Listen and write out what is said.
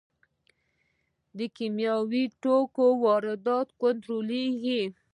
د کیمیاوي توکو واردات کنټرولیږي؟